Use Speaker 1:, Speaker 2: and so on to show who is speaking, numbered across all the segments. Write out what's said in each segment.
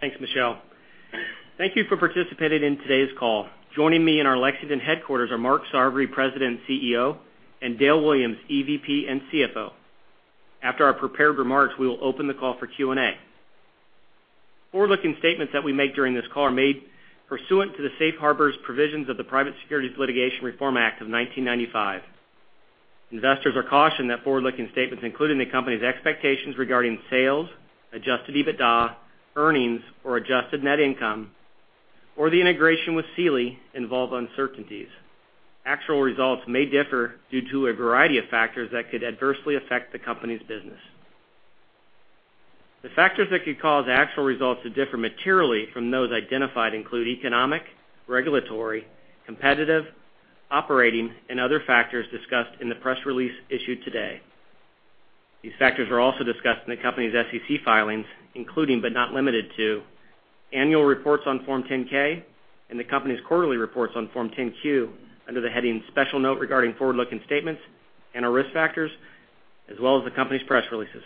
Speaker 1: Thanks, Michelle. Thank you for participating in today's call. Joining me in our Lexington headquarters are Mark Sarvary, President and CEO, and Dale Williams, EVP and CFO. After our prepared remarks, we will open the call for Q&A. Forward-looking statements that we make during this call are made pursuant to the safe harbors provisions of the Private Securities Litigation Reform Act of 1995. Investors are cautioned that forward-looking statements, including the company's expectations regarding sales, adjusted EBITDA, earnings, or adjusted net income, or the integration with Sealy, involve uncertainties. Actual results may differ due to a variety of factors that could adversely affect the company's business. The factors that could cause actual results to differ materially from those identified include economic, regulatory, competitive, operating, and other factors discussed in the press release issued today. These factors are also discussed in the company's SEC filings, including, but not limited to, annual reports on Form 10-K and the company's quarterly reports on Form 10-Q under the heading "Special Note Regarding Forward-Looking Statements" and our risk factors, as well as the company's press releases.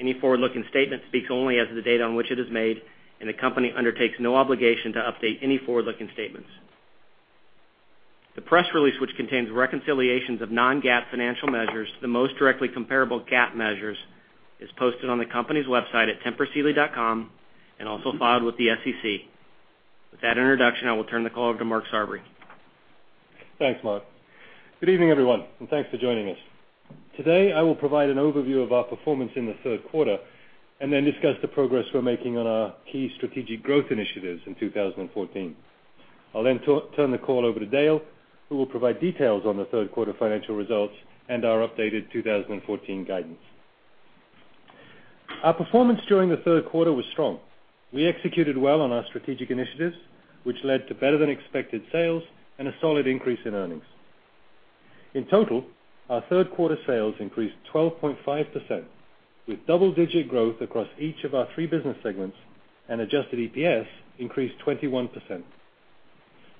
Speaker 1: Any forward-looking statement speaks only as of the date on which it is made. The company undertakes no obligation to update any forward-looking statements. The press release, which contains reconciliations of non-GAAP financial measures to the most directly comparable GAAP measures, is posted on the company's website at tempursealy.com and also filed with the SEC. With that introduction, I will turn the call over to Mark Sarvary.
Speaker 2: Thanks, Mark. Good evening, everyone, and thanks for joining us. Today, I will provide an overview of our performance in the third quarter and then discuss the progress we're making on our key strategic growth initiatives in 2014. I'll then turn the call over to Dale, who will provide details on the third quarter financial results and our updated 2014 guidance. Our performance during the third quarter was strong. We executed well on our strategic initiatives, which led to better than expected sales and a solid increase in earnings. In total, our third quarter sales increased 12.5%, with double-digit growth across each of our three business segments. Adjusted EPS increased 21%.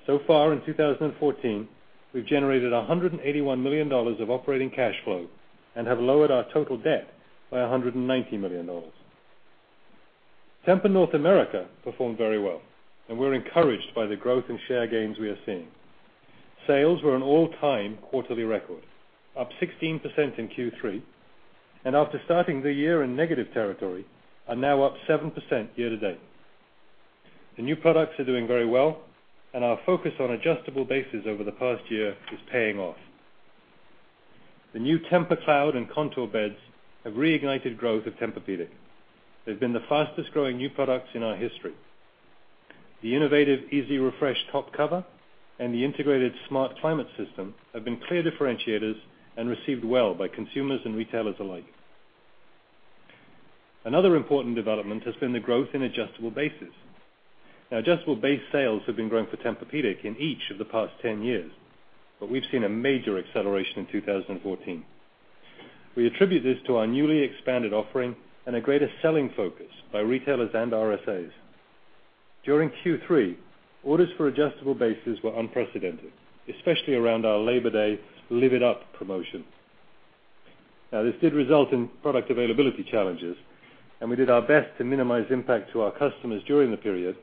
Speaker 2: So far in 2014, we've generated $181 million of operating cash flow and have lowered our total debt by $190 million. Tempur North America performed very well. We're encouraged by the growth in share gains we are seeing. Sales were an all-time quarterly record, up 16% in Q3. After starting the year in negative territory, are now up 7% year to date. The new products are doing very well. Our focus on adjustable bases over the past year is paying off. The new Tempur-Cloud and Contour beds have reignited growth at Tempur-Pedic. They've been the fastest-growing new products in our history. The innovative EasyRefresh top cover and the integrated SmartClimate system have been clear differentiators. Received well by consumers and retailers alike. Another important development has been the growth in adjustable bases. Now, adjustable base sales have been growing for Tempur-Pedic in each of the past 10 years. We've seen a major acceleration in 2014. We attribute this to our newly expanded offering and a greater selling focus by retailers and RSAs. During Q3, orders for adjustable bases were unprecedented, especially around our Labor Day Live It Up promotion. This did result in product availability challenges, and we did our best to minimize impact to our customers during the period.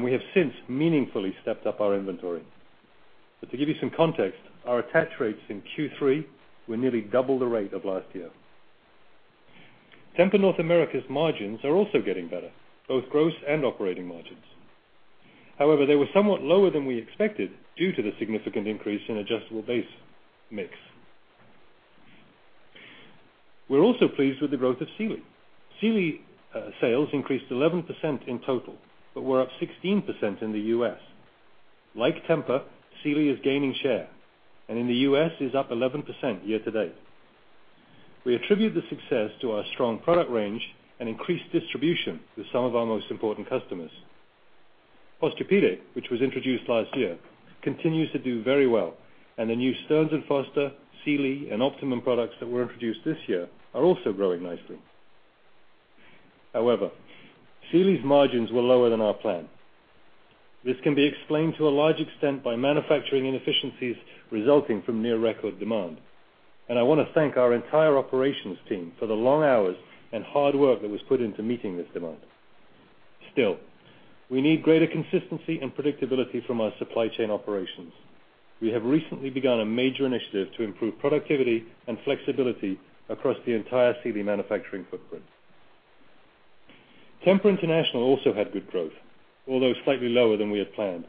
Speaker 2: We have since meaningfully stepped up our inventory. To give you some context, our attach rates in Q3 were nearly double the rate of last year. Tempur North America's margins are also getting better, both gross and operating margins. They were somewhat lower than we expected due to the significant increase in adjustable base mix. We are also pleased with the growth of Sealy. Sealy sales increased 11% in total but were up 16% in the U.S. Like Tempur, Sealy is gaining share and in the U.S. is up 11% year to date. We attribute the success to our strong product range and increased distribution with some of our most important customers. Posturepedic, which was introduced last year, continues to do very well, and the new Stearns & Foster, Sealy, and Optimum products that were introduced this year are also growing nicely. Sealy's margins were lower than our plan. This can be explained to a large extent by manufacturing inefficiencies resulting from near record demand. I want to thank our entire operations team for the long hours and hard work that was put into meeting this demand. Still, we need greater consistency and predictability from our supply chain operations. We have recently begun a major initiative to improve productivity and flexibility across the entire Sealy manufacturing footprint. Tempur International also had good growth, although slightly lower than we had planned.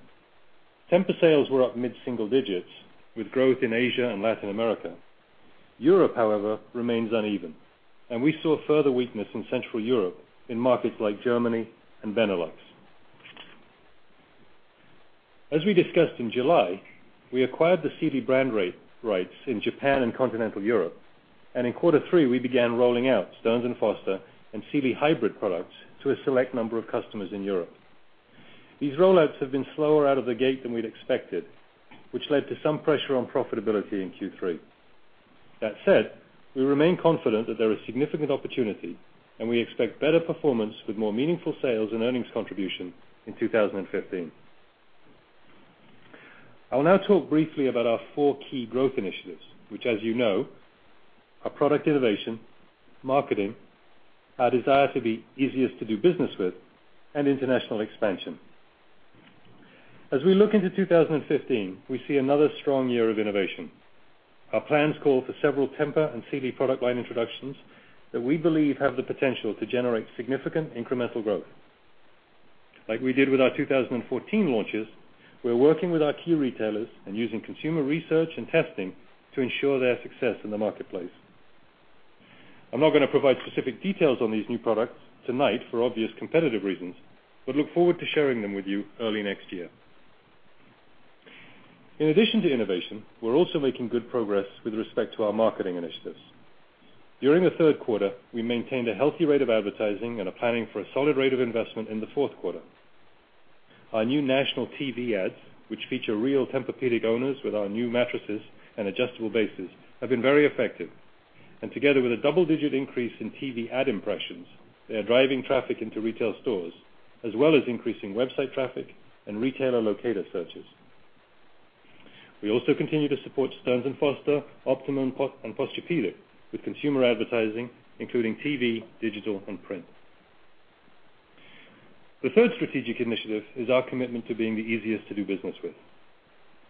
Speaker 2: Tempur sales were up mid-single digits with growth in Asia and Latin America. Europe remains uneven, and we saw further weakness in Central Europe in markets like Germany and Benelux. As we discussed in July, we acquired the Sealy brand rights in Japan and continental Europe, and in quarter three, we began rolling out Stearns & Foster and Sealy hybrid products to a select number of customers in Europe. These rollouts have been slower out of the gate than we had expected, which led to some pressure on profitability in Q3. We remain confident that there is significant opportunity, and we expect better performance with more meaningful sales and earnings contribution in 2015. I will now talk briefly about our four key growth initiatives, which as you know, are product innovation, marketing, our desire to be easiest to do business with, and international expansion. As we look into 2015, we see another strong year of innovation. Our plans call for several Tempur and Sealy product line introductions that we believe have the potential to generate significant incremental growth. Like we did with our 2014 launches, we are working with our key retailers and using consumer research and testing to ensure their success in the marketplace. I am not going to provide specific details on these new products tonight for obvious competitive reasons, but look forward to sharing them with you early next year. In addition to innovation, we are also making good progress with respect to our marketing initiatives. During the third quarter, we maintained a healthy rate of advertising and are planning for a solid rate of investment in the fourth quarter. Our new national TV ads, which feature real Tempur-Pedic owners with our new mattresses and adjustable bases, have been very effective, and together with a double-digit increase in TV ad impressions, they are driving traffic into retail stores as well as increasing website traffic and retailer locator searches. We also continue to support Stearns & Foster, Optimum, and Posturepedic with consumer advertising, including TV, digital, and print. The third strategic initiative is our commitment to being the easiest to do business with.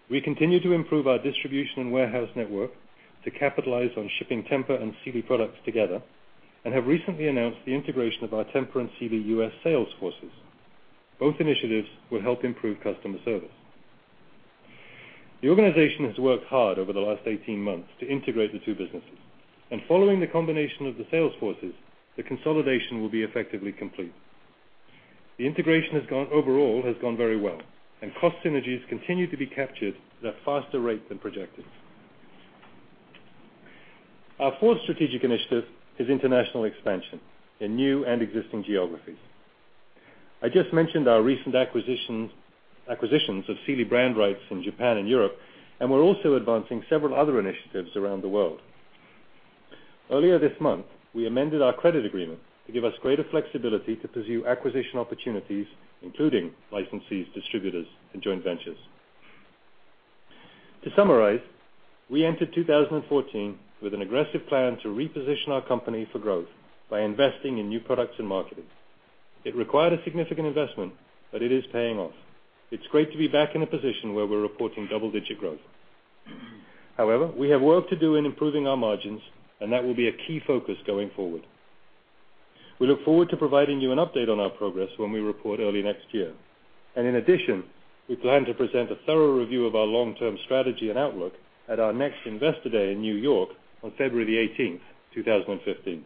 Speaker 2: We continue to improve our distribution and warehouse network to capitalize on shipping Tempur and Sealy products together and have recently announced the integration of our Tempur and Sealy U.S. sales forces. Both initiatives will help improve customer service. The organization has worked hard over the last 18 months to integrate the two businesses. Following the combination of the sales forces, the consolidation will be effectively complete. The integration overall has gone very well, and cost synergies continue to be captured at a faster rate than projected. Our fourth strategic initiative is international expansion in new and existing geographies. I just mentioned our recent acquisitions of Sealy brand rights in Japan and Europe, and we're also advancing several other initiatives around the world. Earlier this month, we amended our credit agreement to give us greater flexibility to pursue acquisition opportunities, including licensees, distributors, and joint ventures. To summarize, we entered 2014 with an aggressive plan to reposition our company for growth by investing in new products and marketing. It required a significant investment, but it is paying off. It's great to be back in a position where we're reporting double-digit growth. However, we have work to do in improving our margins, and that will be a key focus going forward. We look forward to providing you an update on our progress when we report early next year. In addition, we plan to present a thorough review of our long-term strategy and outlook at our next Investor Day in New York on February the 18th, 2015.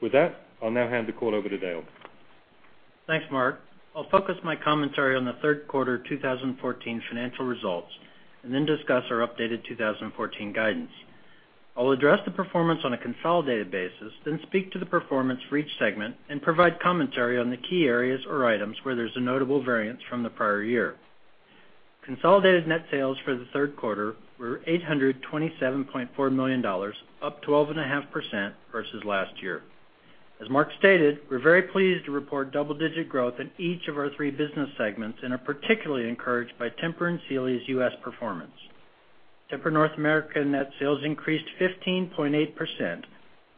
Speaker 2: With that, I'll now hand the call over to Dale.
Speaker 3: Thanks, Mark. I'll focus my commentary on the third quarter 2014 financial results and then discuss our updated 2014 guidance. I'll address the performance on a consolidated basis, then speak to the performance for each segment and provide commentary on the key areas or items where there's a notable variance from the prior year. Consolidated net sales for the third quarter were $827.4 million, up 12.5% versus last year. As Mark stated, we're very pleased to report double-digit growth in each of our three business segments and are particularly encouraged by Tempur and Sealy's U.S. performance. Tempur North America net sales increased 15.8%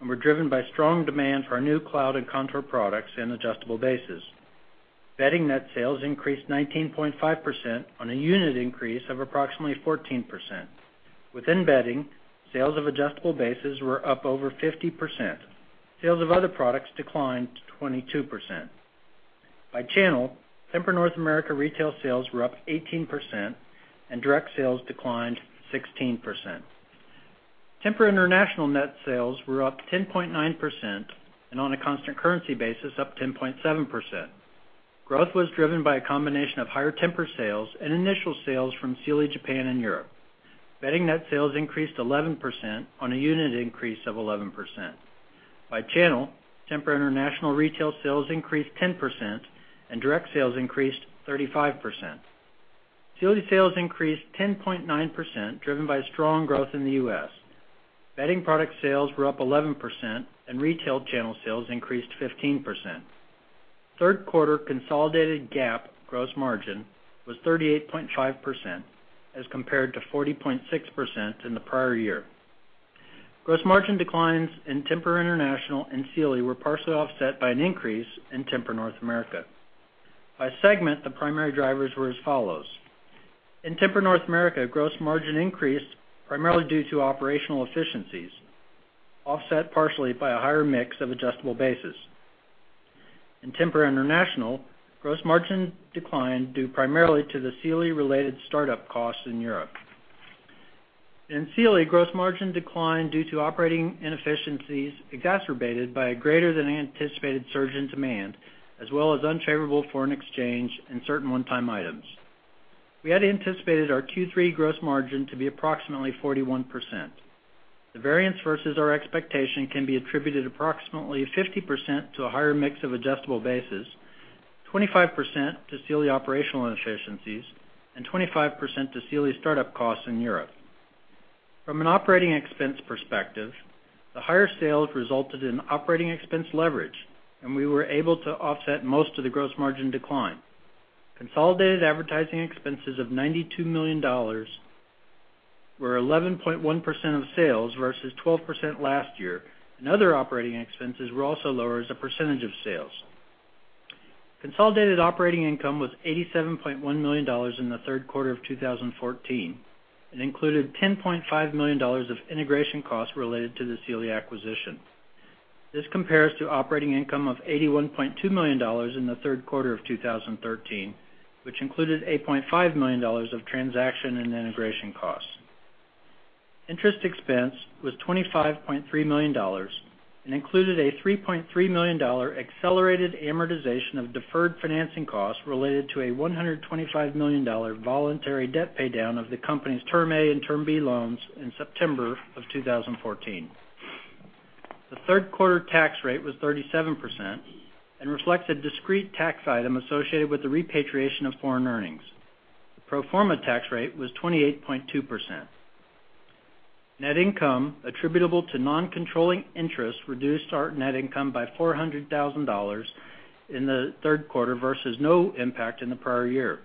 Speaker 3: and were driven by strong demand for our new TEMPUR-Cloud and TEMPUR-Contour products and adjustable bases. Bedding net sales increased 19.5% on a unit increase of approximately 14%. Within bedding, sales of adjustable bases were up over 50%. Sales of other products declined to 22%. By channel, Tempur North America retail sales were up 18% and direct sales declined 16%. Tempur International net sales were up 10.9% and on a constant currency basis, up 10.7%. Growth was driven by a combination of higher Tempur sales and initial sales from Sealy Japan and Europe. Bedding net sales increased 11% on a unit increase of 11%. By channel, Tempur International retail sales increased 10% and direct sales increased 35%. Sealy sales increased 10.9%, driven by strong growth in the U.S. Bedding product sales were up 11% and retail channel sales increased 15%. Third quarter consolidated GAAP gross margin was 38.5% as compared to 40.6% in the prior year. Gross margin declines in Tempur International and Sealy were partially offset by an increase in Tempur North America. By segment, the primary drivers were as follows. In Tempur North America, gross margin increased primarily due to operational efficiencies, offset partially by a higher mix of adjustable bases. In Tempur International, gross margin declined due primarily to the Sealy-related startup costs in Europe. In Sealy, gross margin declined due to operating inefficiencies exacerbated by a greater than anticipated surge in demand as well as unfavorable foreign exchange and certain one-time items. We had anticipated our Q3 gross margin to be approximately 41%. The variance versus our expectation can be attributed approximately 50% to a higher mix of adjustable bases, 25% to Sealy operational inefficiencies, and 25% to Sealy's startup costs in Europe. From an operating expense perspective, the higher sales resulted in operating expense leverage, we were able to offset most of the gross margin decline. Consolidated advertising expenses of $92 million were 11.1% of sales versus 12% last year. Other operating expenses were also lower as a percentage of sales. Consolidated operating income was $87.1 million in the third quarter of 2014 and included $10.5 million of integration costs related to the Sealy acquisition. This compares to operating income of $81.2 million in the third quarter of 2013, which included $8.5 million of transaction and integration costs. Interest expense was $25.3 million and included a $3.3 million accelerated amortization of deferred financing costs related to a $125 million voluntary debt paydown of the company's Term A and Term B loans in September of 2014. The third quarter tax rate was 37% and reflects a discrete tax item associated with the repatriation of foreign earnings. The pro forma tax rate was 28.2%. Net income attributable to non-controlling interests reduced our net income by $400,000 in the third quarter versus no impact in the prior year.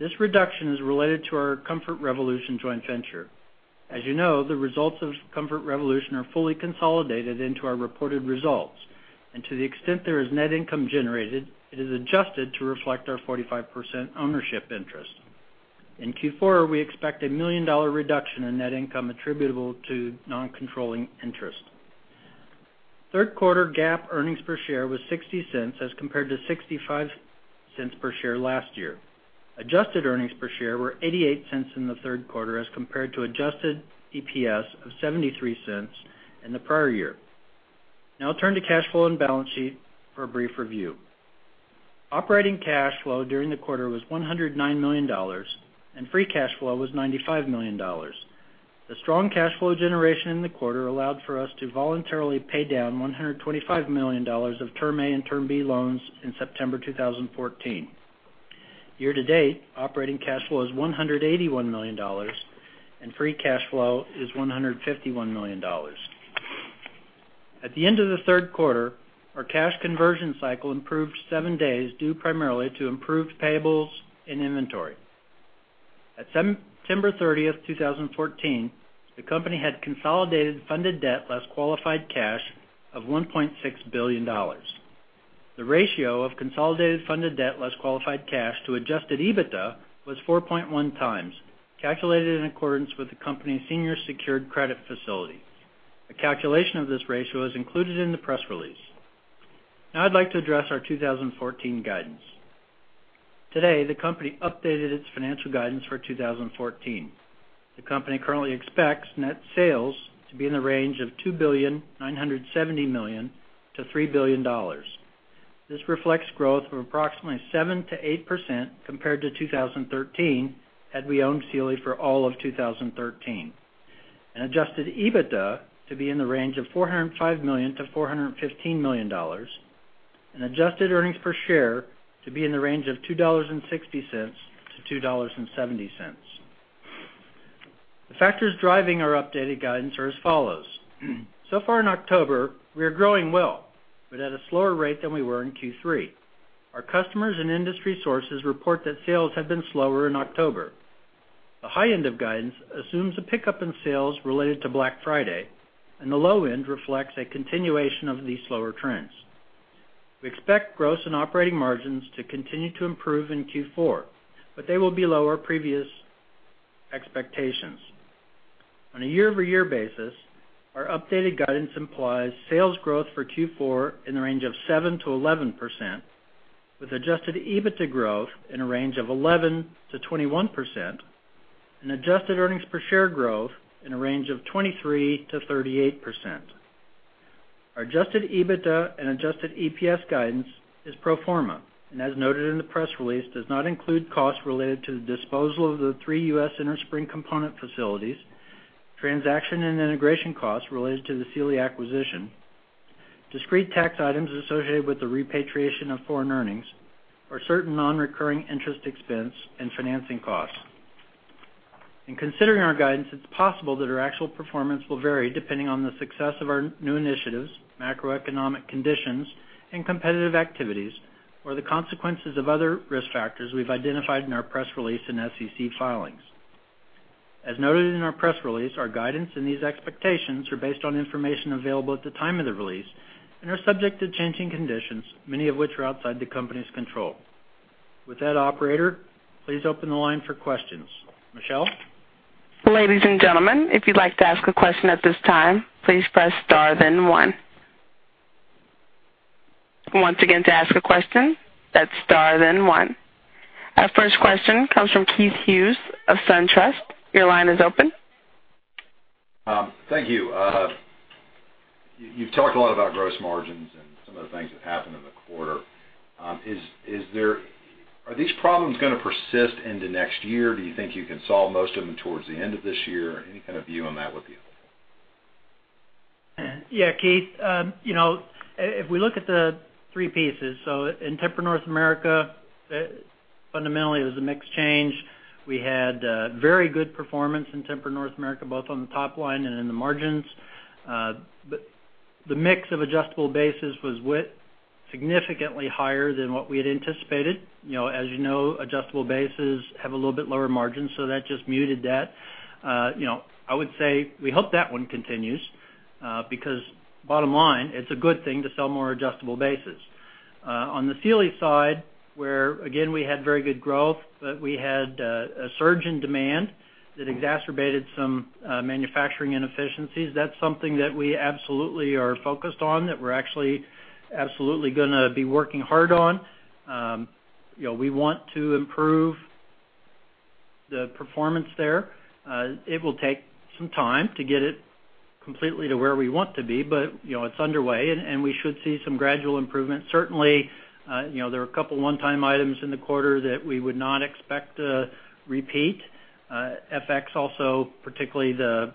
Speaker 3: This reduction is related to our Comfort Revolution joint venture. As you know, the results of Comfort Revolution are fully consolidated into our reported results, and to the extent there is net income generated, it is adjusted to reflect our 45% ownership interest. In Q4, we expect $1 million reduction in net income attributable to non-controlling interest. Third quarter GAAP earnings per share was $0.60 as compared to $0.65 per share last year. Adjusted earnings per share were $0.88 in the third quarter as compared to adjusted EPS of $0.73 in the prior year. I'll turn to cash flow and balance sheet for a brief review. Operating cash flow during the quarter was $109 million, and free cash flow was $95 million. The strong cash flow generation in the quarter allowed for us to voluntarily pay down $125 million of Term A and Term B loans in September 2014. Year to date, operating cash flow is $181 million, and free cash flow is $151 million. At the end of the third quarter, our cash conversion cycle improved seven days, due primarily to improved payables and inventory. At September 30th, 2014, the company had consolidated funded debt, less qualified cash, of $1.6 billion. The ratio of consolidated funded debt, less qualified cash to adjusted EBITDA, was 4.1 times, calculated in accordance with the company's senior secured credit facility. A calculation of this ratio is included in the press release. I'd like to address our 2014 guidance. Today, the company updated its financial guidance for 2014. The company currently expects net sales to be in the range of $2.97 billion to $3 billion. This reflects growth of approximately 7%-8% compared to 2013, had we owned Sealy for all of 2013. Adjusted EBITDA to be in the range of $405 million-$415 million, and adjusted earnings per share to be in the range of $2.60-$2.70. The factors driving our updated guidance are as follows. So far in October, we are growing well, but at a slower rate than we were in Q3. Our customers and industry sources report that sales have been slower in October. The high end of guidance assumes a pickup in sales related to Black Friday, and the low end reflects a continuation of these slower trends. We expect gross and operating margins to continue to improve in Q4, but they will be below our previous expectations. On a year-over-year basis, our updated guidance implies sales growth for Q4 in the range of 7%-11%, with adjusted EBITDA growth in a range of 11%-21%, and adjusted earnings per share growth in a range of 23%-38%. Our adjusted EBITDA and adjusted EPS guidance is pro forma, and as noted in the press release, does not include costs related to the disposal of the three U.S. inner spring component facilities, transaction and integration costs related to the Sealy acquisition, discrete tax items associated with the repatriation of foreign earnings, or certain non-recurring interest expense and financing costs. In considering our guidance, it's possible that our actual performance will vary depending on the success of our new initiatives, macroeconomic conditions, and competitive activities, or the consequences of other risk factors we've identified in our press release and SEC filings. As noted in our press release, our guidance and these expectations are based on information available at the time of the release and are subject to changing conditions, many of which are outside the company's control. With that, operator, please open the line for questions. Michelle?
Speaker 4: Ladies and gentlemen, if you'd like to ask a question at this time, please press Star then one. Once again, to ask a question, that's Star then one. Our first question comes from Keith Hughes of SunTrust. Your line is open.
Speaker 5: Thank you. You've talked a lot about gross margins and some of the things that happened in the quarter. Are these problems going to persist into next year? Do you think you can solve most of them towards the end of this year? Any kind of view on that looking
Speaker 3: Yeah, Keith. If we look at the three pieces, in Tempur North America, fundamentally it was a mix change. We had very good performance in Tempur North America, both on the top line and in the margins. The mix of adjustable bases was significantly higher than what we had anticipated. As you know, adjustable bases have a little bit lower margin, so that just muted that. I would say, we hope that one continues, because bottom line, it's a good thing to sell more adjustable bases. On the Sealy side, where again, we had very good growth, but we had a surge in demand that exacerbated some manufacturing inefficiencies. That's something that we absolutely are focused on, that we're actually absolutely going to be working hard on. We want to improve the performance there. It will take some time to get it completely to where we want to be. It's underway, and we should see some gradual improvement. Certainly, there are a couple of one-time items in the quarter that we would not expect to repeat. FX also, particularly the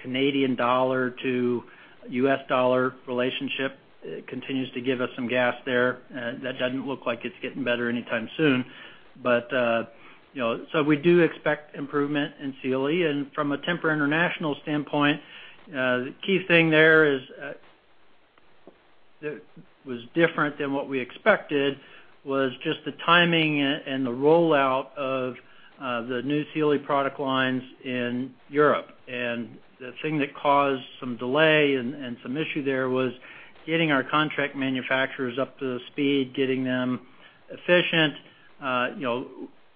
Speaker 3: Canadian dollar to US dollar relationship continues to give us some gas there. That doesn't look like it's getting better anytime soon. We do expect improvement in Sealy. From a Tempur International standpoint, the key thing there that was different than what we expected was just the timing and the rollout of the new Sealy product lines in Europe. The thing that caused some delay and some issue there was getting our contract manufacturers up to speed, getting them efficient.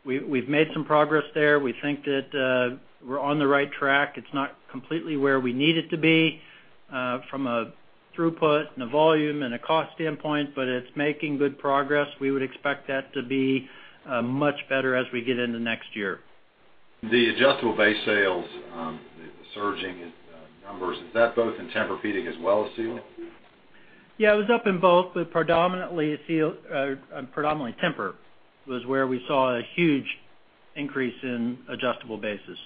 Speaker 3: We've made some progress there. We think that we're on the right track. It's not completely where we need it to be from a throughput and a volume and a cost standpoint, but it's making good progress. We would expect that to be much better as we get into next year.
Speaker 5: The adjustable base sales, the surging numbers, is that both in Tempur-Pedic as well as Sealy?
Speaker 3: Yeah, it was up in both. Predominantly Tempur was where we saw a huge increase in adjustable bases.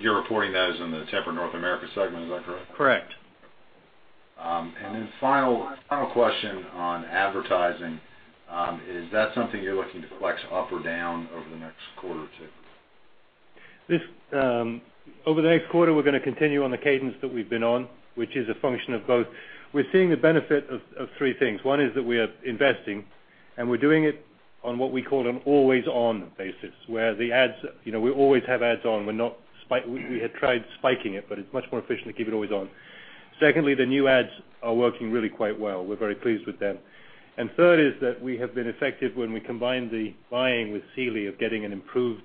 Speaker 5: You're reporting that is in the Tempur North America segment, is that correct?
Speaker 3: Correct.
Speaker 5: Final question on advertising. Is that something you're looking to flex up or down over the next quarter or two?
Speaker 2: Over the next quarter, we're going to continue on the cadence that we've been on, which is a function of both. We're seeing the benefit of three things. One is that we are investing, and we're doing it on what we call an always-on basis, where we always have ads on. We had tried spiking it, but it's much more efficient to keep it always on. Secondly, the new ads are working really quite well. We're very pleased with them. And third is that we have been effective when we combine the buying with Sealy of getting an improved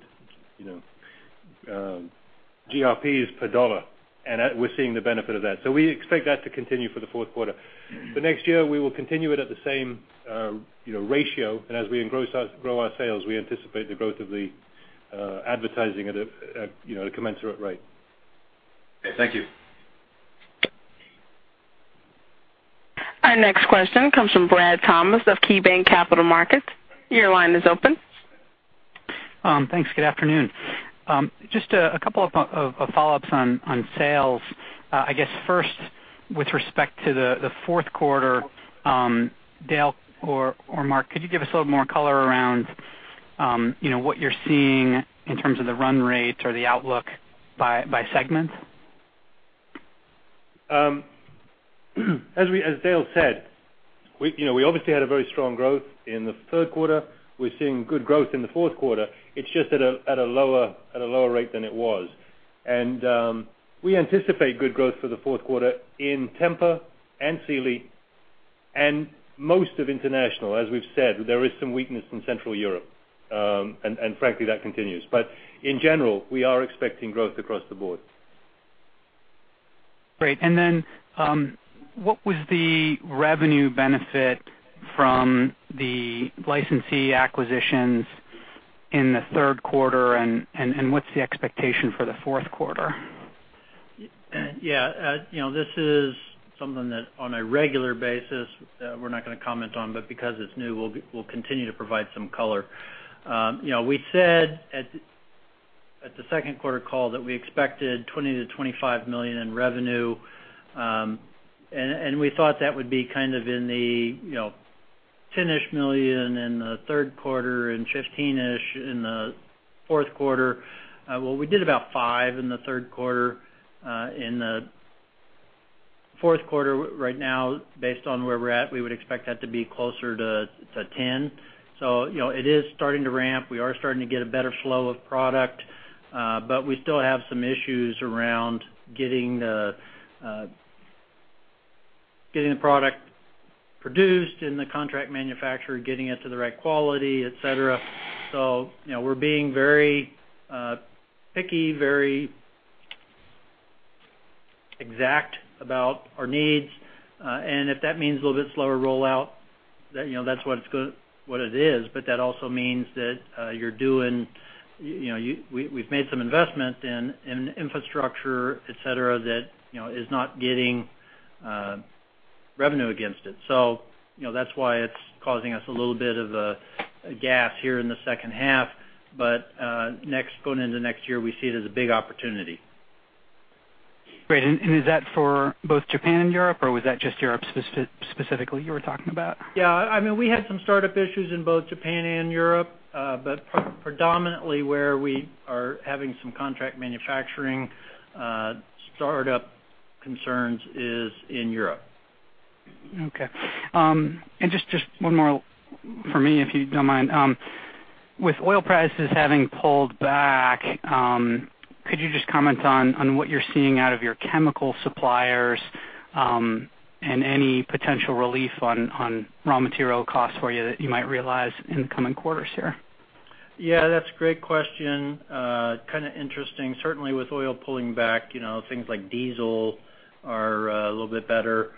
Speaker 2: GRPs per dollar, and we're seeing the benefit of that. We expect that to continue for the fourth quarter. Next year, we will continue it at the same ratio, and as we grow our sales, we anticipate the growth of the advertising at a commensurate rate.
Speaker 5: Okay, thank you.
Speaker 4: Our next question comes from Brad Thomas of KeyBanc Capital Markets. Your line is open.
Speaker 6: Thanks. Good afternoon. Just a couple of follow-ups on sales. I guess first, with respect to the fourth quarter, Dale or Mark, could you give us a little more color around what you're seeing in terms of the run rate or the outlook by segment?
Speaker 2: As Dale said, we obviously had a very strong growth in the third quarter. We're seeing good growth in the fourth quarter. It's just at a lower rate than it was. We anticipate good growth for the fourth quarter in Tempur and Sealy and most of international. As we've said, there is some weakness in Central Europe. Frankly, that continues. In general, we are expecting growth across the board.
Speaker 6: Great. What was the revenue benefit from the licensee acquisitions in the third quarter, and what's the expectation for the fourth quarter?
Speaker 3: Yeah. This is something that on a regular basis, we're not going to comment on, but because it's new, we'll continue to provide some color. We said at the second quarter call that we expected $20 million-$25 million in revenue. We thought that would be kind of in the $10-ish million in the third quarter and $15 million-ish in the fourth quarter. Well, we did about five in the third quarter. In the fourth quarter right now, based on where we're at, we would expect that to be closer to 10. It is starting to ramp. We are starting to get a better flow of product. We still have some issues around getting the product produced and the contract manufacturer getting it to the right quality, et cetera. We're being very picky, very exact about our needs. If that means a little bit slower rollout, that's what it is. That also means that we've made some investment in infrastructure, et cetera, that is not getting revenue against it. That's why it's causing us a little bit of a drag here in the second half. Going into next year, we see it as a big opportunity.
Speaker 6: Great. Is that for both Japan and Europe, or was that just Europe specifically you were talking about?
Speaker 3: We had some startup issues in both Japan and Europe. Predominantly where we are having some contract manufacturing startup concerns is in Europe.
Speaker 6: Just one more from me, if you don't mind. With oil prices having pulled back, could you just comment on what you're seeing out of your chemical suppliers, and any potential relief on raw material costs for you that you might realize in the coming quarters here?
Speaker 3: Yeah, that's a great question. Kind of interesting. Certainly with oil pulling back, things like diesel are a little bit better.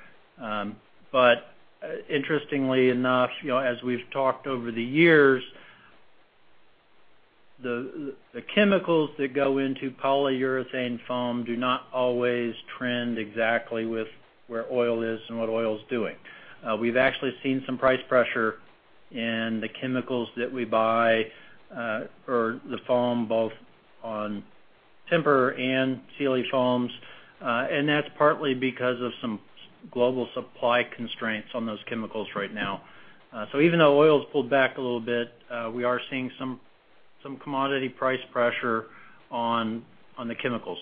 Speaker 3: Interestingly enough, as we've talked over the years, the chemicals that go into polyurethane foam do not always trend exactly with where oil is and what oil's doing. We've actually seen some price pressure in the chemicals that we buy for the foam, both on Tempur and Sealy foams. That's partly because of some global supply constraints on those chemicals right now. Even though oil's pulled back a little bit, we are seeing some commodity price pressure on the chemicals.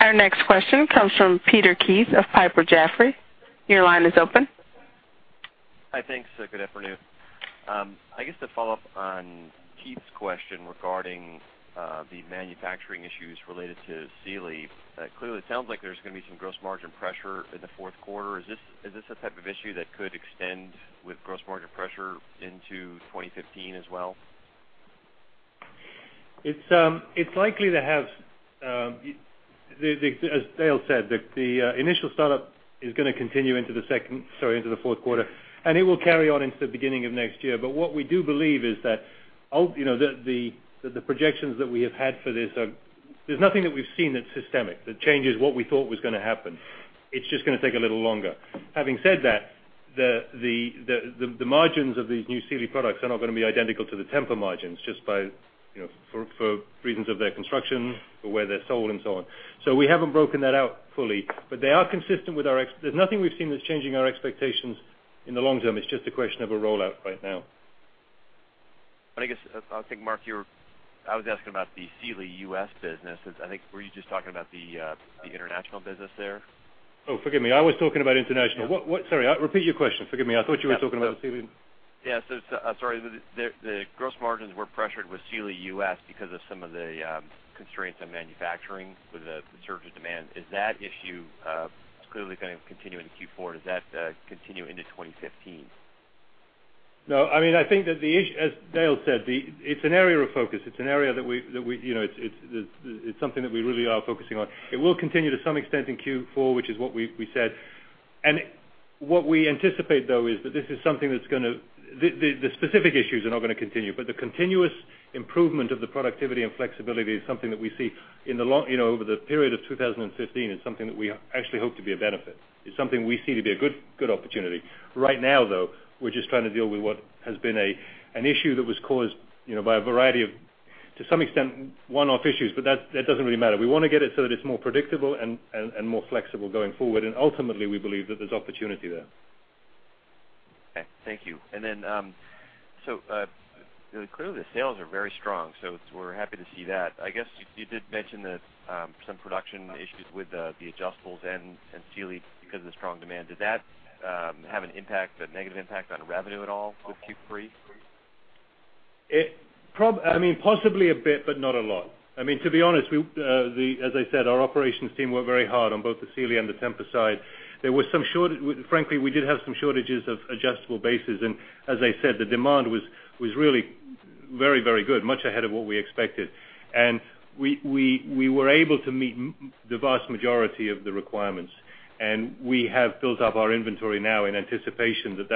Speaker 4: Our next question comes from Peter Keith of Piper Jaffray. Your line is open.
Speaker 7: Hi. Thanks. Good afternoon. I guess to follow up on Keith's question regarding the manufacturing issues related to Sealy. Clearly, it sounds like there's going to be some gross margin pressure in the fourth quarter. Is this a type of issue that could extend with gross margin pressure into 2015 as well?
Speaker 2: It's likely. As Dale said, the initial startup is going to continue into the fourth quarter, and it will carry on into the beginning of next year. What we do believe is that the projections that we have had for this. There's nothing that we've seen that's systemic, that changes what we thought was going to happen. It's just going to take a little longer. Having said that, the margins of these new Sealy products are not going to be identical to the Tempur margins just for reasons of their construction, for where they're sold, and so on. We haven't broken that out fully. There's nothing we've seen that's changing our expectations in the long term. It's just a question of a rollout right now.
Speaker 7: I guess, I think, Mark, I was asking about the Sealy U.S. business. I think, were you just talking about the international business there?
Speaker 2: Oh, forgive me. I was talking about international.
Speaker 7: Yeah.
Speaker 2: Sorry. Repeat your question. Forgive me. I thought you were talking about Sealy.
Speaker 7: Yeah. Sorry. The gross margins were pressured with Sealy U.S. because of some of the constraints on manufacturing with the surge of demand. It's clearly going to continue into Q4. Does that continue into 2015?
Speaker 2: No. I think that as Dale said, it's an area of focus. It's something that we really are focusing on. It will continue to some extent in Q4, which is what we said. What we anticipate, though, is that the specific issues are not going to continue, but the continuous improvement of the productivity and flexibility is something that we see over the period of 2015. It's something that we actually hope to be a benefit. It's something we see to be a good opportunity. Right now, though, we're just trying to deal with what has been an issue that was caused by a variety of, to some extent, one-off issues, but that doesn't really matter. We want to get it so that it's more predictable and more flexible going forward. Ultimately, we believe that there's opportunity there.
Speaker 7: Okay. Thank you. Clearly the sales are very strong, so we're happy to see that. I guess you did mention some production issues with the Adjustables and Sealy because of the strong demand. Did that have a negative impact on revenue at all for Q3?
Speaker 2: Possibly a bit, but not a lot. To be honest, as I said, our operations team worked very hard on both the Sealy and the Tempur side. Frankly, we did have some shortages of Adjustable bases, as I said, the demand was really very good. Much ahead of what we expected. We were able to meet the vast majority of the requirements. We have built up our inventory now in anticipation that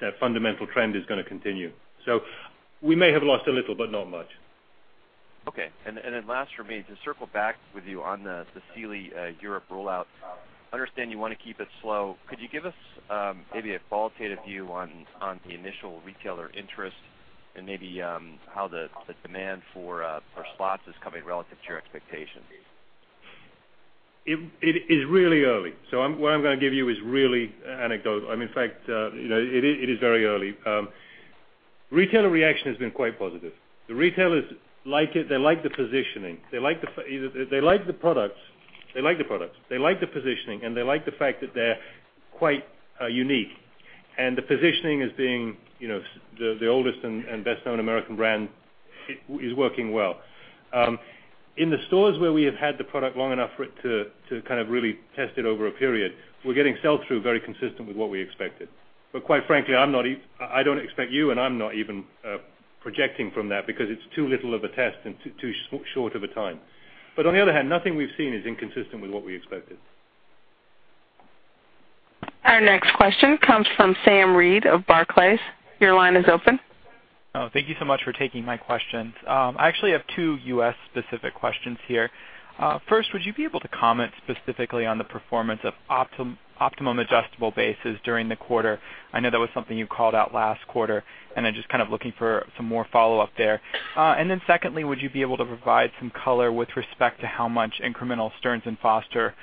Speaker 2: that fundamental trend is going to continue. We may have lost a little, but not much.
Speaker 7: Okay. Last for me, to circle back with you on the Sealy Europe rollout. I understand you want to keep it slow. Could you give us maybe a qualitative view on the initial retailer interest and maybe how the demand for slots is coming relative to your expectations?
Speaker 2: It is really early. What I'm going to give you is really anecdotal. In fact, it is very early. Retailer reaction has been quite positive. The retailers like it. They like the positioning. They like the products. They like the positioning, and they like the fact that they're quite unique. The positioning as being the oldest and best-known American brand is working well. In the stores where we have had the product long enough for it to kind of really test it over a period, we're getting sell-through very consistent with what we expected. Quite frankly, I don't expect you, and I'm not even projecting from that because it's too little of a test and too short of a time. On the other hand, nothing we've seen is inconsistent with what we expected.
Speaker 4: Our next question comes from Sam Reid of Barclays. Your line is open.
Speaker 8: Thank you so much for taking my questions. I actually have two U.S.-specific questions here. First, would you be able to comment specifically on the performance of Optimum Adjustable bases during the quarter? I know that was something you called out last quarter, and I'm just looking for some more follow-up there. Secondly, would you be able to provide some color with respect to how much incremental Stearns & Foster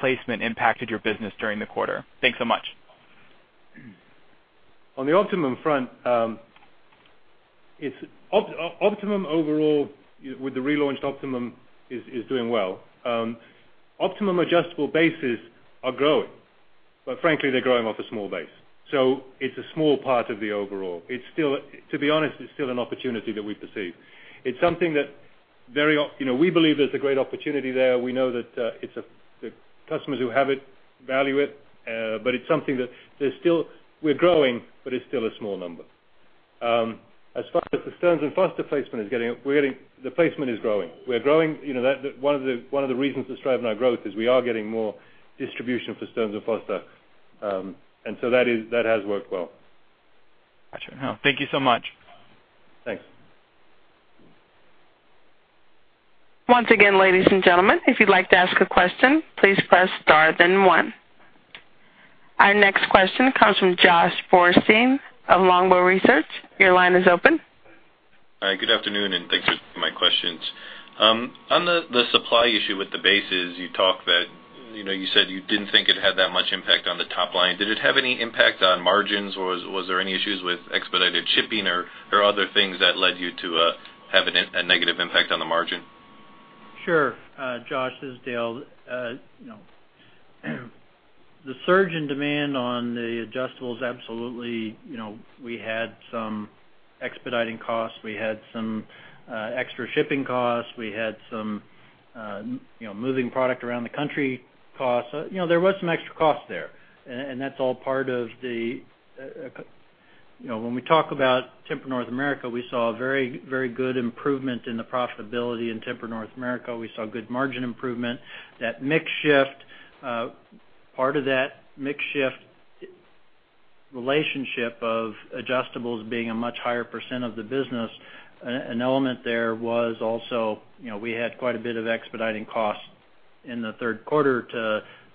Speaker 8: placement impacted your business during the quarter? Thanks so much.
Speaker 2: On the Optimum front, Optimum overall, with the relaunched Optimum, is doing well. Optimum Adjustable bases are growing, but frankly, they're growing off a small base. It's a small part of the overall. To be honest, it's still an opportunity that we perceive. We believe there's a great opportunity there. We know that the customers who have it value it, but it's something that we're growing, but it's still a small number. As far as the Stearns & Foster placement, the placement is growing. One of the reasons for striving our growth is we are getting more distribution for Stearns & Foster. That has worked well.
Speaker 8: Got you. Thank you so much.
Speaker 2: Thanks.
Speaker 4: Once again, ladies and gentlemen, if you'd like to ask a question, please press star then one. Our next question comes from Joshua Borstein of Longbow Research. Your line is open.
Speaker 9: Hi, good afternoon, thanks for taking my questions. On the supply issue with the bases, you said you didn't think it had that much impact on the top line. Did it have any impact on margins, was there any issues with expedited shipping or other things that led you to have a negative impact on the margin?
Speaker 3: Sure. Josh, this is Dale. The surge in demand on the adjustables, absolutely, we had some expediting costs. We had some extra shipping costs. We had some moving product around the country costs. There was some extra costs there. When we talk about Tempur North America, we saw a very good improvement in the profitability in Tempur North America. We saw good margin improvement. Part of that mix shift relationship of adjustables being a much higher % of the business, an element there was also we had quite a bit of expediting costs in the third quarter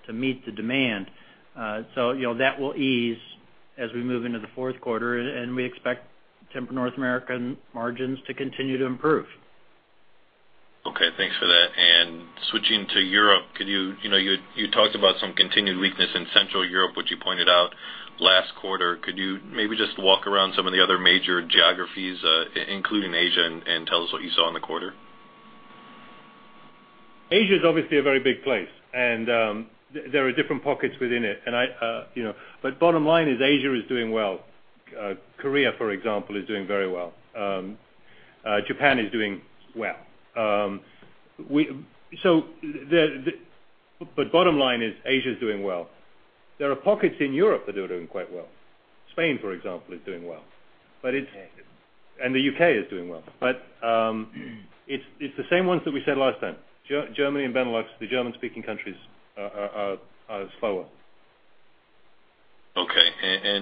Speaker 3: to meet the demand. That will ease as we move into the fourth quarter, we expect Tempur North American margins to continue to improve.
Speaker 9: Switching to Europe, you talked about some continued weakness in Central Europe, which you pointed out last quarter. Could you maybe just walk around some of the other major geographies, including Asia, and tell us what you saw in the quarter?
Speaker 2: Asia is obviously a very big place, and there are different pockets within it. Bottom line is Asia is doing well. Korea, for example, is doing very well. Japan is doing well. Bottom line is Asia is doing well. There are pockets in Europe that are doing quite well. Spain, for example, is doing well.
Speaker 9: The U.K.
Speaker 2: The U.K. is doing well. It's the same ones that we said last time. Germany and Benelux, the German-speaking countries are slower.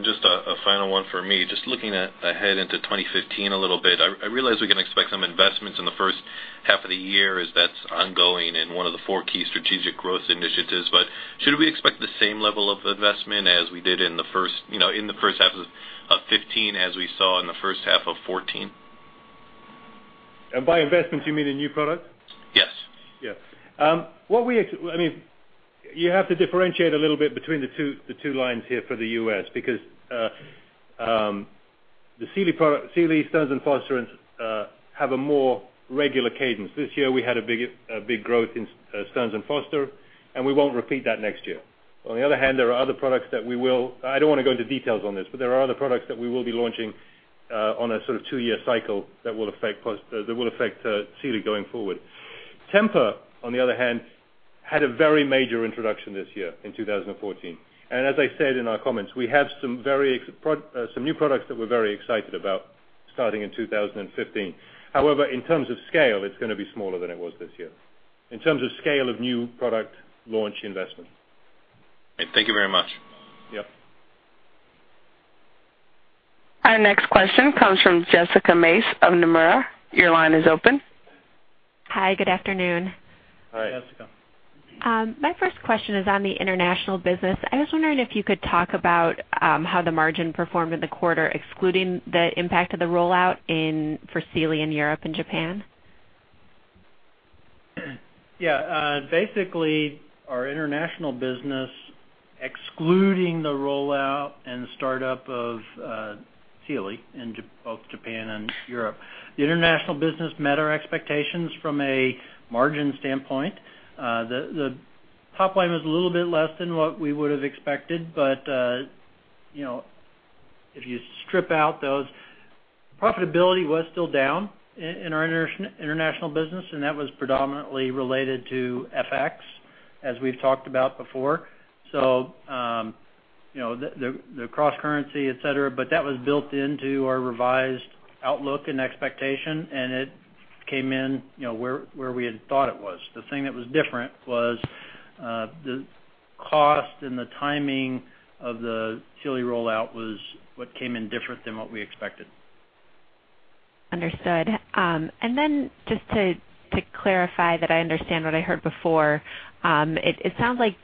Speaker 9: Just a final one for me, just looking ahead into 2015 a little bit. I realize we can expect some investments in the first half of the year as that's ongoing in one of the four key strategic growth initiatives, but should we expect the same level of investment as we did in the first half of 2015 as we saw in the first half of 2014?
Speaker 2: By investments, you mean in new product?
Speaker 9: Yes.
Speaker 2: Yeah. You have to differentiate a little bit between the two lines here for the U.S. because the Sealy, Stearns & Foster have a more regular cadence. This year, we had a big growth in Stearns & Foster, and we won't repeat that next year. On the other hand, I don't want to go into details on this, but there are other products that we will be launching on a sort of two-year cycle that will affect Sealy going forward. Tempur, on the other hand, had a very major introduction this year in 2014. As I said in our comments, we have some new products that we're very excited about starting in 2015. However, in terms of scale, it's going to be smaller than it was this year, in terms of scale of new product launch investment.
Speaker 9: Thank you very much.
Speaker 2: Yep.
Speaker 4: Our next question comes from Jessica Mace of Nomura. Your line is open.
Speaker 10: Hi, good afternoon.
Speaker 2: Hi.
Speaker 3: Jessica.
Speaker 10: My first question is on the international business. I was wondering if you could talk about how the margin performed in the quarter, excluding the impact of the rollout for Sealy in Europe and Japan.
Speaker 3: Yeah. Basically, our international business, excluding the rollout and startup of Sealy in both Japan and Europe, met our expectations from a margin standpoint. The top line was a little bit less than what we would've expected, but if you strip out those, profitability was still down in our international business, and that was predominantly related to FX, as we've talked about before, the cross-currency, et cetera, but that was built into our revised outlook and expectation, and it came in where we had thought it was. The thing that was different was the cost and the timing of the Sealy rollout was what came in different than what we expected.
Speaker 10: Understood. Just to clarify that I understand what I heard before, it sounds like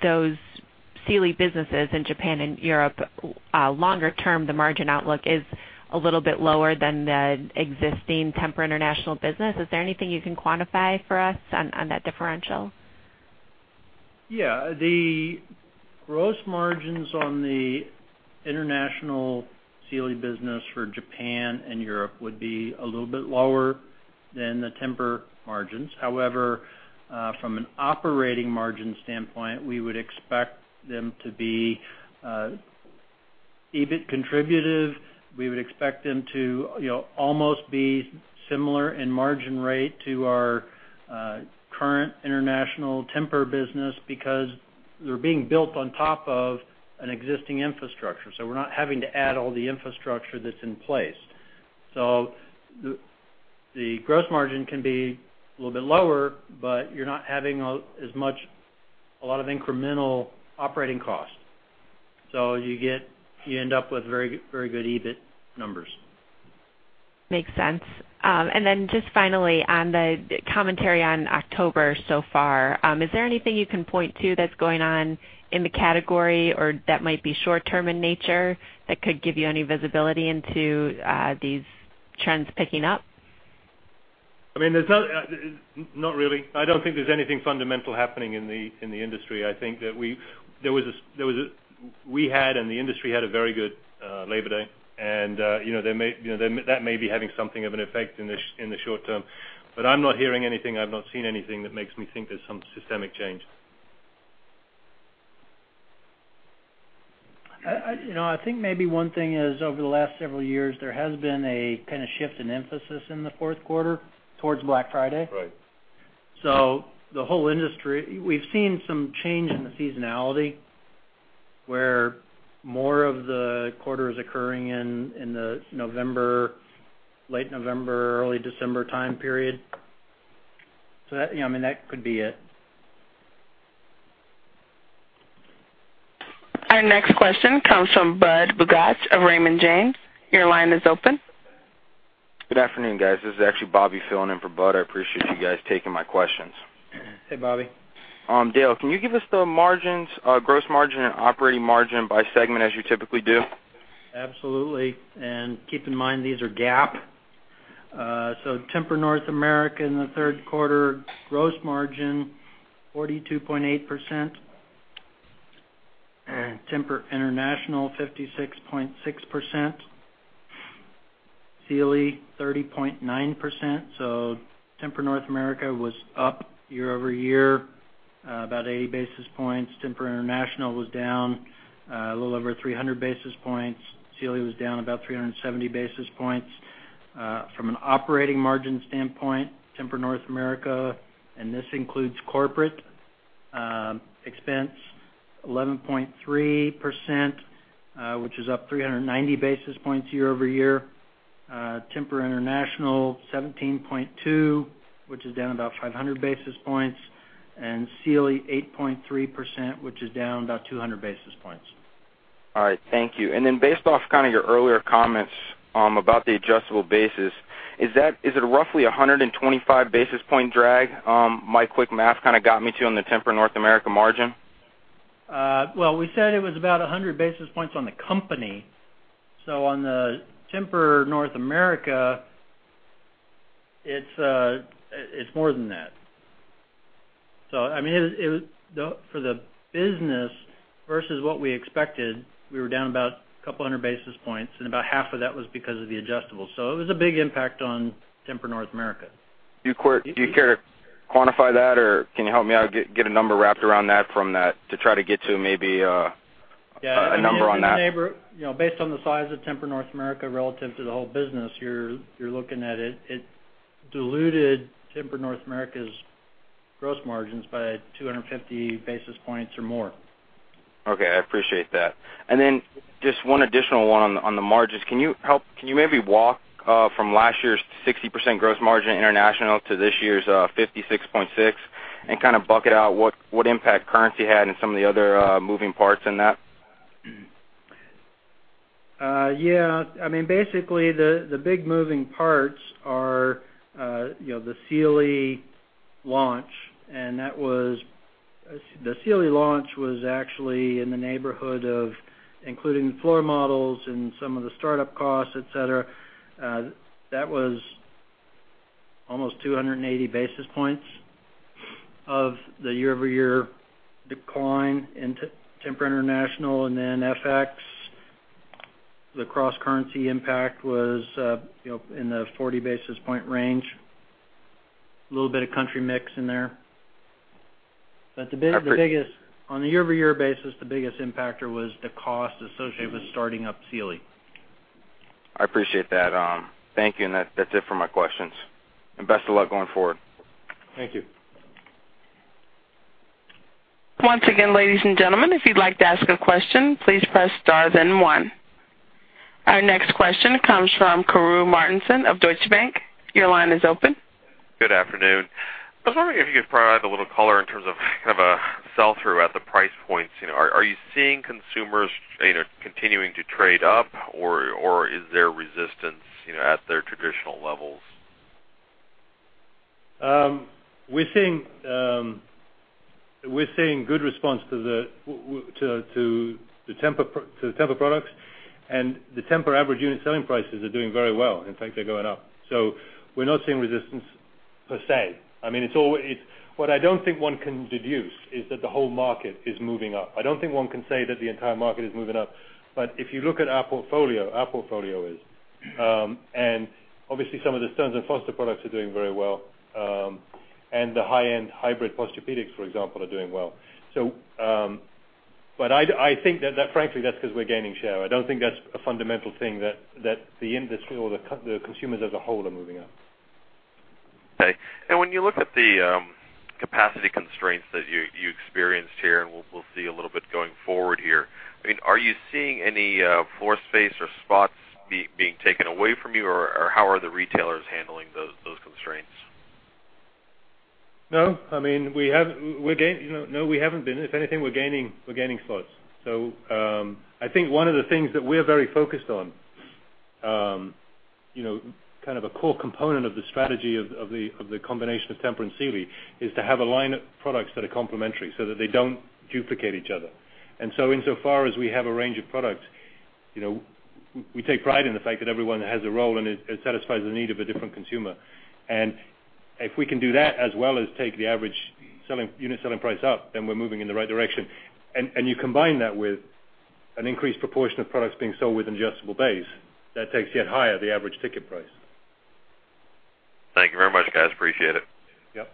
Speaker 10: those Sealy businesses in Japan and Europe, longer term, the margin outlook is a little bit lower than the existing Tempur international business. Is there anything you can quantify for us on that differential?
Speaker 3: Yeah. The gross margins on the international Sealy business for Japan and Europe would be a little bit lower than the Tempur margins. However, from an operating margin standpoint, we would expect them to be EBIT contributive. We would expect them to almost be similar in margin rate to our current international Tempur business because they're being built on top of an existing infrastructure. We're not having to add all the infrastructure that's in place. The gross margin can be a little bit lower, but you're not adding a lot of incremental operating costs. You end up with very good EBIT numbers.
Speaker 10: Makes sense. Just finally on the commentary on October so far, is there anything you can point to that's going on in the category or that might be short-term in nature that could give you any visibility into these trends picking up?
Speaker 2: Not really. I don't think there's anything fundamental happening in the industry. I think that we had, the industry had a very good Labor Day, and that may be having something of an effect in the short term. I'm not hearing anything, I've not seen anything that makes me think there's some systemic change.
Speaker 3: I think maybe one thing is, over the last several years, there has been a kind of shift in emphasis in the fourth quarter towards Black Friday.
Speaker 2: Right.
Speaker 3: The whole industry, we've seen some change in the seasonality, where more of the quarter is occurring in the November, late November, early December time period. That could be it.
Speaker 4: Our next question comes from Budd Bugatch of Raymond James. Your line is open.
Speaker 11: Good afternoon, guys. This is actually Bobby filling in for Budd. I appreciate you guys taking my questions.
Speaker 3: Hey, Bobby.
Speaker 11: Dale, can you give us the margins, gross margin and operating margin by segment as you typically do?
Speaker 3: Absolutely. Keep in mind, these are GAAP. Tempur North America in the third quarter, gross margin, 42.8%. Tempur International, 56.6%. Sealy, 30.9%. Tempur North America was up year-over-year about 80 basis points. Tempur International was down a little over 300 basis points. Sealy was down about 370 basis points. From an operating margin standpoint, Tempur North America, and this includes corporate expense, 11.3%, which is up 390 basis points year-over-year. Tempur International, 17.2%, which is down about 500 basis points. Sealy, 8.3%, which is down about 200 basis points.
Speaker 11: All right. Thank you. Based off kind of your earlier comments about the adjustable bases, is it a roughly 125 basis point drag, my quick math kind of got me to on the Tempur North America margin?
Speaker 3: We said it was about 100 basis points on the company. On the Tempur North America, it's more than that. For the business versus what we expected, we were down about a couple of hundred basis points, and about half of that was because of the adjustable. It was a big impact on Tempur North America.
Speaker 11: Do you care to quantify that or can you help me out, get a number wrapped around that from that to try to get to maybe a number on that?
Speaker 3: Based on the size of Tempur North America relative to the whole business, you're looking at it diluted Tempur North America's gross margins by 250 basis points or more.
Speaker 11: I appreciate that. Then just one additional one on the margins. Can you maybe walk from last year's 60% gross margin international to this year's 56.6% and kind of bucket out what impact currency had and some of the other moving parts in that?
Speaker 3: Yeah. The big moving parts are the Sealy launch. The Sealy launch was actually in the neighborhood of including floor models and some of the startup costs, et cetera. That was almost 280 basis points of the year-over-year decline in Tempur International. FX, the cross-currency impact was in the 40 basis point range. Little bit of country mix in there. On a year-over-year basis, the biggest impactor was the cost associated with starting up Sealy.
Speaker 11: I appreciate that. Thank you, and that's it for my questions. Best of luck going forward.
Speaker 3: Thank you.
Speaker 4: Once again, ladies and gentlemen, if you'd like to ask a question, please press star then one. Our next question comes from Karru Martinson of Deutsche Bank. Your line is open.
Speaker 12: Good afternoon. I was wondering if you could provide a little color in terms of a sell-through at the price points. Are you seeing consumers continuing to trade up or is there resistance at their traditional levels?
Speaker 2: We're seeing good response to the Tempur products and the Tempur average unit selling prices are doing very well. In fact, they're going up. We're not seeing resistance per se. What I don't think one can deduce is that the whole market is moving up. I don't think one can say that the entire market is moving up. If you look at our portfolio, our portfolio is. Obviously, some of the Stearns & Foster products are doing very well. The high-end hybrid Posturepedic, for example, are doing well. I think that frankly, that's because we're gaining share. I don't think that's a fundamental thing that the industry or the consumers as a whole are moving up.
Speaker 12: Okay. When you look at the capacity constraints that you experienced here, and we'll see a little bit going forward here. Are you seeing any floor space or spots being taken away from you, or how are the retailers handling those constraints?
Speaker 2: No, we haven't been. If anything, we're gaining spots. I think one of the things that we're very focused on, a core component of the strategy of the combination of Tempur and Sealy is to have a line of products that are complementary so that they don't duplicate each other. Insofar as we have a range of products, we take pride in the fact that everyone has a role and it satisfies the need of a different consumer. If we can do that, as well as take the average unit selling price up, then we're moving in the right direction. You combine that with an increased proportion of products being sold with adjustable base, that takes yet higher the average ticket price.
Speaker 12: Thank you very much, guys. Appreciate it.
Speaker 2: Yep.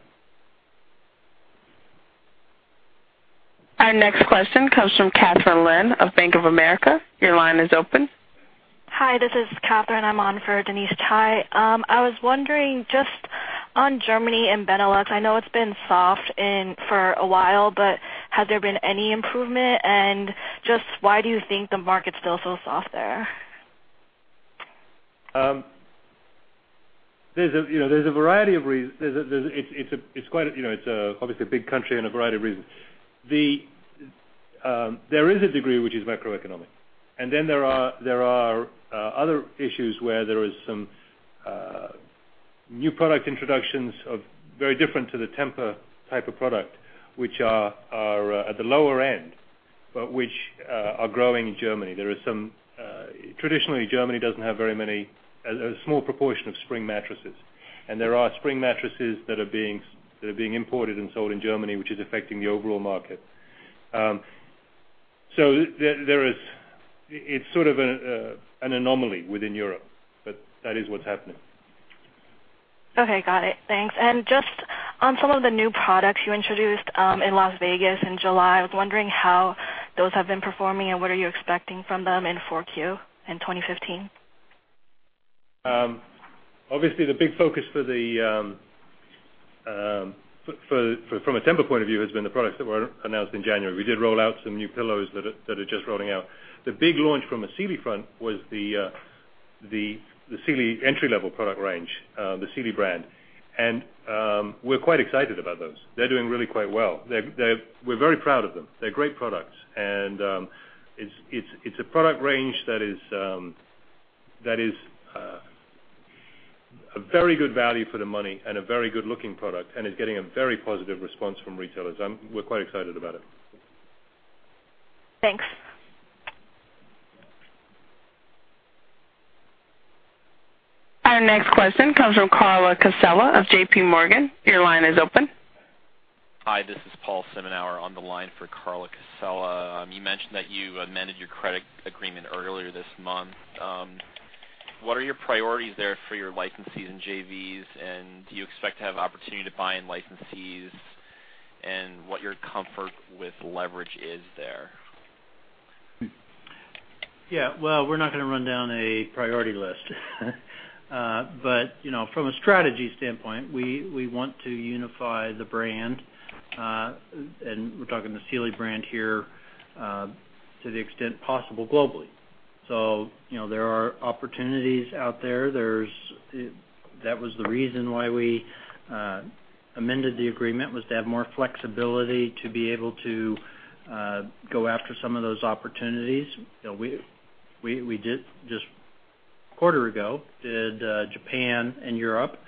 Speaker 4: Our next question comes from Kathryn Lin of Bank of America. Your line is open.
Speaker 13: Hi, this is Kathryn. I'm on for Denise Tsai. I was wondering just on Germany and Benelux, I know it's been soft for a while, but has there been any improvement? Just why do you think the market's still so soft there?
Speaker 2: It's obviously a big country and a variety of reasons. There is a degree which is macroeconomic. Then there are other issues where there is some new product introductions of very different to the Tempur type of product, which are at the lower end, but which are growing in Germany. Traditionally, Germany doesn't have a small proportion of spring mattresses. There are spring mattresses that are being imported and sold in Germany, which is affecting the overall market. It's sort of an anomaly within Europe, but that is what's happening.
Speaker 13: Okay, got it. Thanks. Just on some of the new products you introduced in Las Vegas in July, I was wondering how those have been performing and what are you expecting from them in 4Q in 2015?
Speaker 2: Obviously, the big focus from a Tempur point of view has been the products that were announced in January. We did roll out some new pillows that are just rolling out. The big launch from a Sealy front was the Sealy entry-level product range, the Sealy brand. We're quite excited about those. They're doing really quite well. We're very proud of them. They're great products. It's a product range that is a very good value for the money and a very good-looking product and is getting a very positive response from retailers. We're quite excited about it.
Speaker 13: Thanks.
Speaker 4: Our next question comes from Carla Casella of JP Morgan. Your line is open.
Speaker 14: Hi, this is Paul Zummo on the line for Carla Casella. You mentioned that you amended your credit agreement earlier this month. What are your priorities there for your licensees and JVs, do you expect to have opportunity to buy in licensees, and what your comfort with leverage is there?
Speaker 3: Yeah. Well, we're not going to run down a priority list. From a strategy standpoint, we want to unify the brand, and we're talking the Sealy brand here, to the extent possible globally. There are opportunities out there. That was the reason why we amended the agreement, was to have more flexibility to be able to go after some of those opportunities. We did just a quarter ago, did Japan and Europe.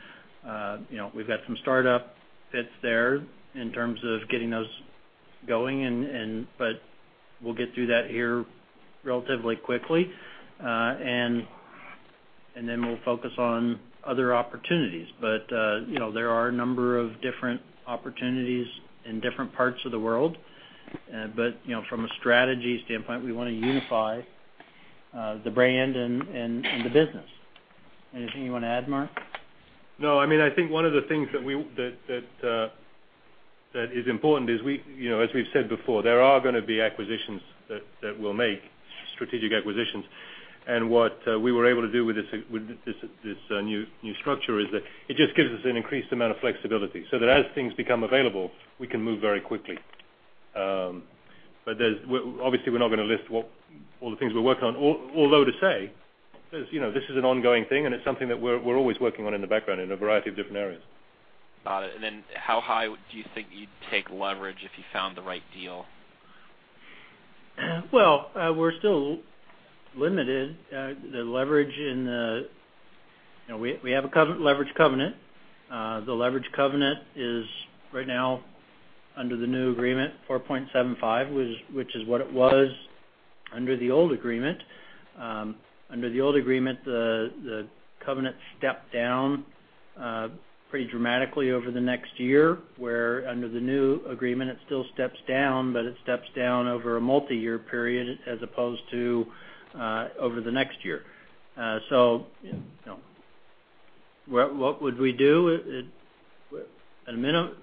Speaker 3: We've got some startup fits there in terms of getting those going, but we'll get through that here relatively quickly. Then we'll focus on other opportunities. There are a number of different opportunities in different parts of the world. From a strategy standpoint, we want to unify the brand and the business. Anything you want to add, Mark?
Speaker 2: No. I think one of the things that is important is as we've said before, there are going to be acquisitions that we'll make, strategic acquisitions. What we were able to do with this new structure is that it just gives us an increased amount of flexibility, so that as things become available, we can move very quickly. Obviously, we're not going to list all the things we're working on. Although to say, this is an ongoing thing, and it's something that we're always working on in the background in a variety of different areas.
Speaker 14: Got it. Then how high do you think you'd take leverage if you found the right deal?
Speaker 3: Well, we're still limited. We have a leverage covenant. The leverage covenant is, right now, under the new agreement, 4.75, which is what it was under the old agreement. Under the old agreement, the covenant stepped down pretty dramatically over the next year, where under the new agreement, it still steps down, but it steps down over a multi-year period as opposed to over the next year. What would we do? At a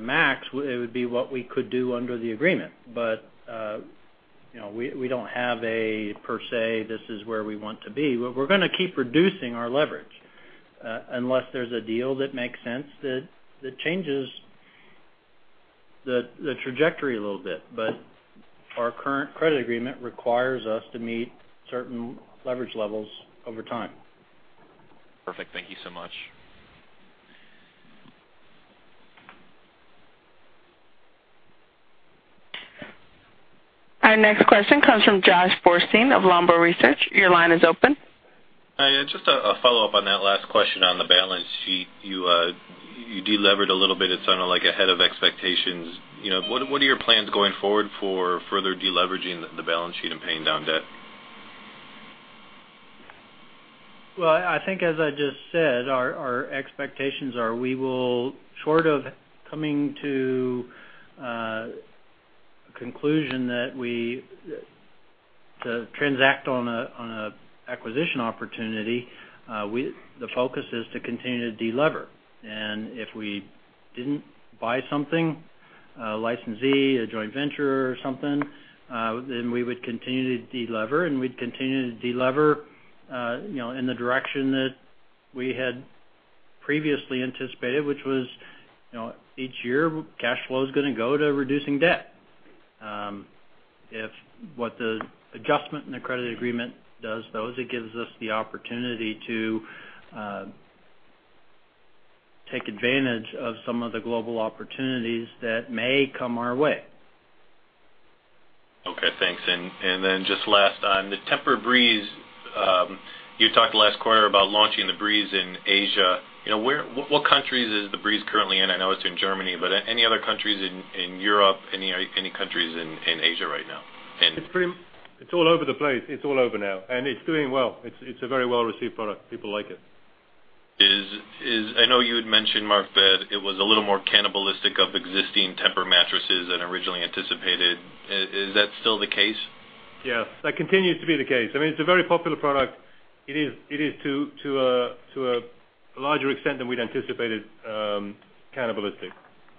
Speaker 3: max, it would be what we could do under the agreement. We don't have a, per se, this is where we want to be. We're going to keep reducing our leverage, unless there's a deal that makes sense that changes the trajectory a little bit. Our current credit agreement requires us to meet certain leverage levels over time.
Speaker 14: Perfect. Thank you so much.
Speaker 4: Our next question comes from Josh Borstein of Longbow Research. Your line is open.
Speaker 9: Hi. Just a follow-up on that last question on the balance sheet. You de-levered a little bit, it sounded like ahead of expectations. What are your plans going forward for further de-leveraging the balance sheet and paying down debt?
Speaker 3: Well, I think, as I just said, our expectations are we will short of coming to a conclusion that to transact on an acquisition opportunity, the focus is to continue to de-lever. If we didn't buy something, a licensee, a joint venture or something, then we would continue to de-lever, and we'd continue to de-lever in the direction that we had previously anticipated, which was each year, cash flow is going to go to reducing debt. What the adjustment in the credit agreement does, though, is it gives us the opportunity to take advantage of some of the global opportunities that may come our way.
Speaker 9: Just last, on the TEMPUR-breeze, you talked last quarter about launching the Breeze in Asia. What countries is the Breeze currently in? I know it's in Germany, but any other countries in Europe? Any countries in Asia right now?
Speaker 2: It's all over the place. It's all over now, and it's doing well. It's a very well-received product. People like it.
Speaker 9: I know you had mentioned, Mark, that it was a little more cannibalistic of existing Tempur mattresses than originally anticipated. Is that still the case?
Speaker 2: Yes. That continues to be the case. I mean, it's a very popular product. It is to a larger extent than we'd anticipated cannibalistic.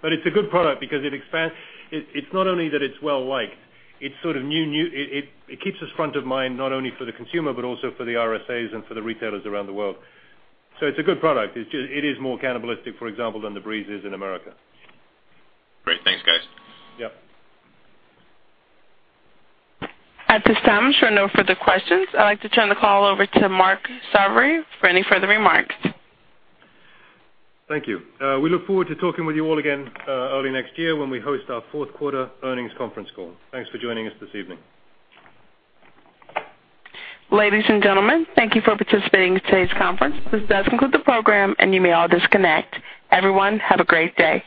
Speaker 2: It's a good product because it expands. It's not only that it's well-liked, it keeps us front of mind, not only for the consumer, but also for the RSAs and for the retailers around the world. It's a good product. It is more cannibalistic, for example, than the Breeze is in America.
Speaker 9: Great. Thanks, guys.
Speaker 2: Yep.
Speaker 4: That's it. I'm showing no further questions. I'd like to turn the call over to Mark Sarvary for any further remarks.
Speaker 2: Thank you. We look forward to talking with you all again early next year when we host our fourth quarter earnings conference call. Thanks for joining us this evening.
Speaker 4: Ladies and gentlemen, thank you for participating in today's conference. This does conclude the program, and you may all disconnect. Everyone, have a great day.